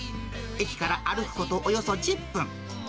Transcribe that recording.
駅から歩くことおよそ１０分。